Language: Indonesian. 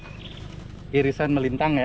itu ada irisan melintang ya